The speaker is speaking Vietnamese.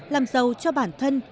làm giàu cho bản thân